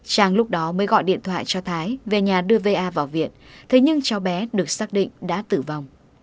trang lúc đó mới gọi điện thoại cho thái về nhà đưa va vào viện thế nhưng cháu bé được xác định đã tử vong